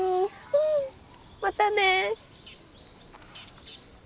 うんまたね。